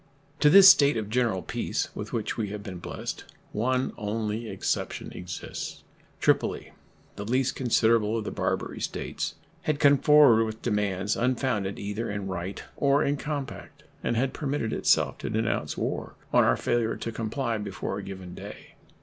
To this state of general peace with which we have been blessed, one only exception exists. Tripoli, the least considerable of the Barbary States, had come forward with demands unfounded either in right or in compact, and had permitted itself to denounce war on our failure to comply before a given day.